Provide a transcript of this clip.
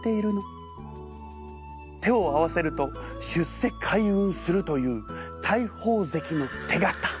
手を合わせると出世開運するという大鵬関の手形。